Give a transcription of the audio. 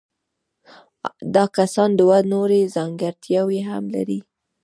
دا کسان دوه نورې ځانګړتیاوې هم لري.